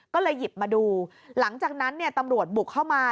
ก็เลยหยิบมาดูหลังจากนั้นเนี่ยตำรวจบุกเข้ามา